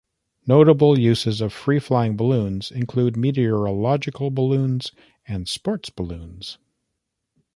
Notable uses of free-flying balloons include meteorological balloons and sport balloons.